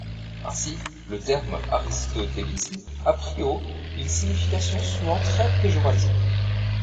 Ainsi, le terme aristotélisme a pris au une signification souvent très péjorative.